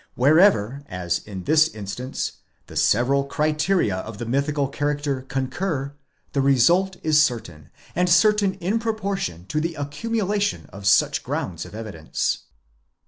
Wherever, as in this instance, the several criteria of the mythical character concur, the result is certain, and certain in proportion to the accumulation of such grounds of evidence.